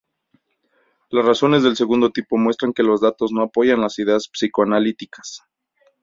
Las razones del segundo tipo muestran que los datos no apoyan las ideas psicoanalíticas.